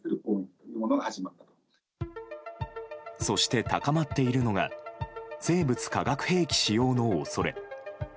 そして高まっているのが生物・化学兵器使用の恐れ。